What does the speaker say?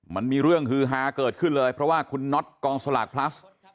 มันมีเรื่องฮือฮาเกิดขึ้นเลยเพราะว่าคุณน็อตกองสลากพลัส